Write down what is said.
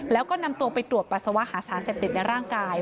แล้วก็นำตัวไปตรวจปัสสาวะหาสารเสพติดในร่างกาย